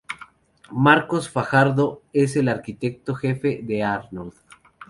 Marcos Fajardo es el arquitecto jefe de Arnold.